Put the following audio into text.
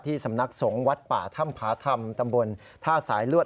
สำนักสงฆ์วัดป่าถ้ำผาธรรมตำบลท่าสายลวด